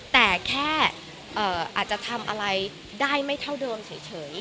แต่แค่อาจจะทำอะไรได้ไม่เท่าเดิมเฉย